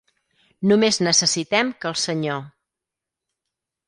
Només necessitem que el senyor.